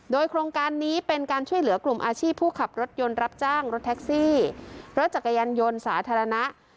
โดยโครงการนี้เป็นการช่วยเหลือกลุ่มอาชีพผู้ขับรถยนต์รับจ้างรถแท็กซี่รถจักรยานยนต์สาธารณะ